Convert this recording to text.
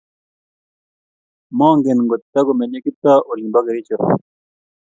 Mongen ngotitagomenye Kiptoo olin po Kericho.